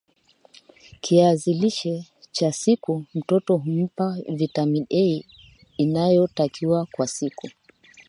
kiazi lishe kwa siku mtoto humpa vitamin A inayotakiwa kwa siku